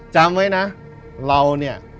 จำไว้นะเราเนี่ย